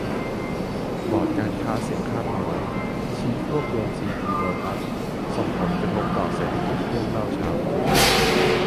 บอร์ดการค้าเสียงข้างน้อย ชี้ควบรวมซีพี-โลตัส ส่งผลกระทบต่อเศรษฐกิจ เรื่องเล่าเช้านี้